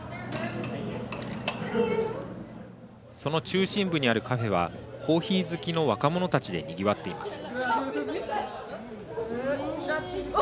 その中心部にあるカフェはコーヒー好きの若者たちでにぎわっています。